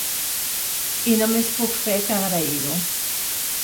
I només puc fer que agrair-ho.